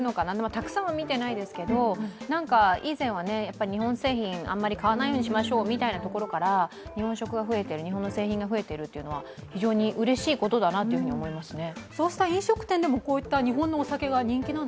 たくさんは見てないですけど以前はやっぱり日本製品あまり買わないようにしましょうみたいなところから日本食が増えている、日本の製品が増えているというのは非常にうれしいことだと思いますね。